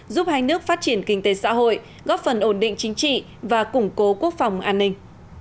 giúp hai nước phát triển kinh tế xã hội góp phần ổn định chính trị và củng cố quốc phòng an ninh